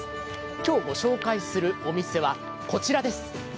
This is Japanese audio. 今日ご紹介するお店はこちらです。